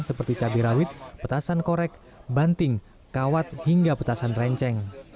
seperti cabai rawit petasan korek banting kawat hingga petasan renceng